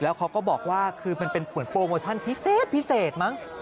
แล้วเขาก็บอกว่าคือเป็นโปรโมชั่นพิเศษมั้ง